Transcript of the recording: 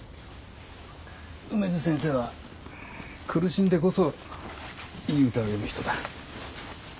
梅津先生は苦しんでこそいい歌を詠む人だ。